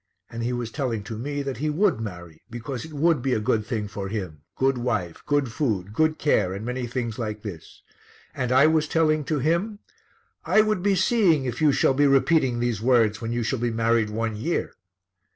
And he was telling to me that he would marry, because it would be a good thing for him, good wife, good food, good care and many things like this. And I was telling to him, 'I would be seeing if you shall be repeating these words when you shall be married one year.'